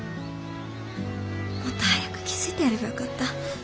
もっと早く気付いてやればよかった。